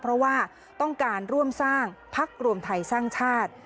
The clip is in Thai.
เพราะว่าต้องการร่วมสร้างพักรวมไทยสร้างชาติ